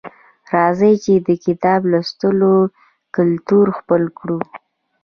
راځئ چې د کتاب لوستلو کلتور خپل کړو